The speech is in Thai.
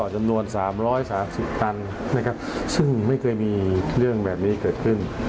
จำนวน๓๓๐ตันนะครับซึ่งไม่เคยมีเรื่องแบบนี้เกิดขึ้น